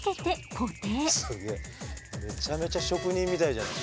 めちゃめちゃ職人みたいじゃない。